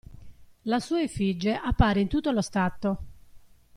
La sua effige appare in tutto lo stato.